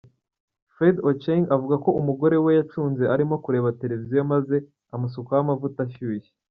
Fred Ochieng avuga ko umugore we yacunze arimo kureba televiziyo maze amusukaho amavuta ashyushye.